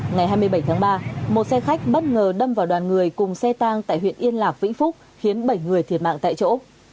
ngày hai mươi bảy tháng ba một xe khách bất ngờ đâm vào đoàn người cùng xe tang tại huyện yên lạc vĩnh phúc khiến bảy người thiệt mạng tại chỗ